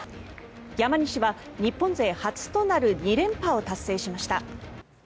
山西は日本勢初となる２連覇を達成しました。